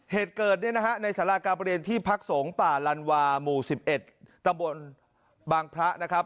เหตุเกิดเนี่ยนะฮะในสาราการประเรียนที่พักสงฆ์ป่าลันวาหมู่๑๑ตำบลบางพระนะครับ